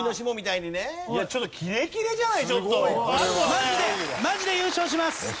マジでマジで優勝します！